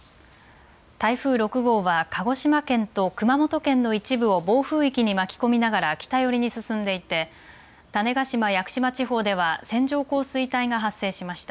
台風６号は鹿児島県と熊本県の一部を暴風域に巻き込みながら北寄りに進んでいて種子島・屋久島地方では線状降水帯が発生しました。